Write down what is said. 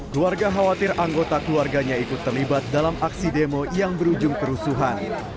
keluarga khawatir anggota keluarganya ikut terlibat dalam aksi demo yang berujung kerusuhan